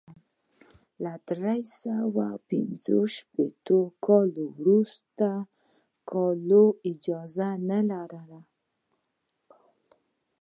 له درې سوه پنځه شپېته کال وروسته کلو اجازه نه لرله.